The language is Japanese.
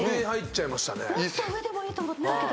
もっと上でもいいと思ったけど。